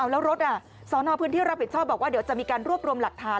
แล้วรถสอนอพื้นที่รับผิดชอบบอกว่าเดี๋ยวจะมีการรวบรวมหลักฐาน